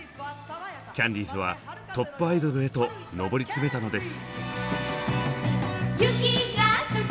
キャンディーズはトップアイドルへと上り詰めたのです。